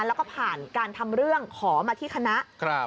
แล้วก็ผ่านการทำเรื่องขอมาที่คณะ